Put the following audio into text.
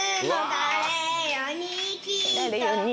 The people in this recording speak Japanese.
「誰よに」